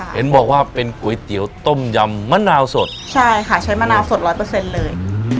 เห็นบอกว่าเป็นก๋วยเตี๋ยวต้มยำมะนาวสดใช่ค่ะใช้มะนาวสดร้อยเปอร์เซ็นต์เลย